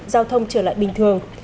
giao thông trở lại bình thường